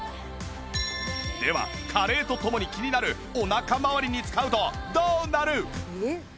では加齢とともに気になるお腹まわりに使うとどうなる！？